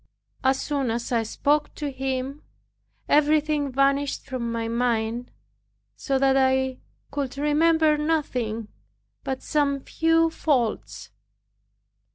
As soon as I spoke to him, everything vanished from my mind, so that I could remember nothing but some few faults.